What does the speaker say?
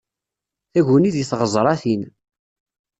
Taguni deg tɣeẓṛatin.